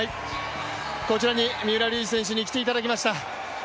こちらに三浦龍司選手に来ていただきました。